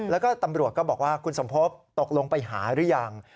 แล้วก็ตำรวจก็บอกว่าคุณสมภพตกลงไปหาหรือยัง